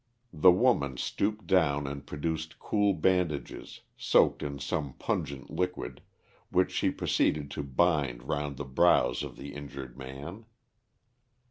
The woman stooped down and produced cool bandages soaked in some pungent liquid, which she proceeded to bind round the brows of the injured man.